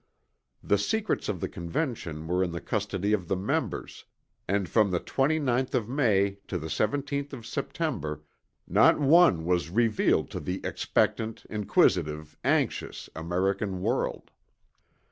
The secrets of the Convention were in the custody of the members, and from the 29th of May to the 17th of September not one was revealed to the expectant, inquisitive, anxious American world.